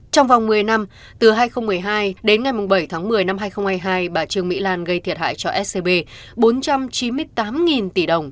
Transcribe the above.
trong vòng một mươi năm từ hai nghìn một mươi hai đến ngày bảy tháng một mươi năm hai nghìn hai mươi hai bà trương mỹ lan gây thiệt hại cho scb bốn trăm chín mươi tám tỷ đồng